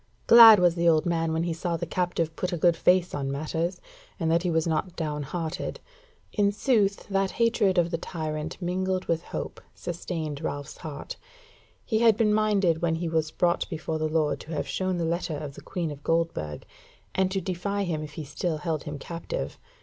Glad was the old man when he saw the captive put a good face on matters, and that he was not down hearted. In sooth that hatred of the tyrant mingled with hope sustained Ralph's heart. He had been minded when he was brought before the lord to have shown the letter of the Queen of Goldburg, and to defy him if he still held him captive.